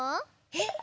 えっ？